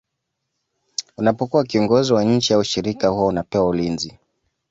unapokuwa kiongozi wa nchi au shirika huwa unapewa ulinzi